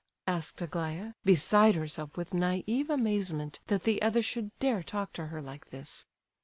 _" asked Aglaya, beside herself with naive amazement that the other should dare talk to her like this.